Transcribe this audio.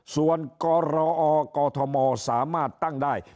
ส่วนกรออกทมสามารถตั้งได้